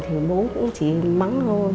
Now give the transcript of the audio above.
thì mũ cũng chỉ mắng thôi